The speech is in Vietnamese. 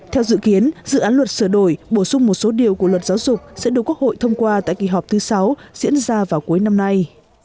theo dự kiến dự án luật sửa đổi bổ sung một số điều của luật giáo dục sẽ được quốc hội thông qua tại kỳ họp thứ sáu diễn ra vào cuối năm nay